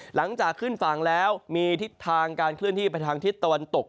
หลังจากขึ้นฝั่งแล้วมีทิศทางการเคลื่อนที่ไปทางทิศตะวันตก